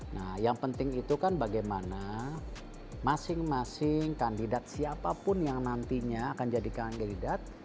nah yang penting itu kan bagaimana masing masing kandidat siapapun yang nantinya akan jadi kandidat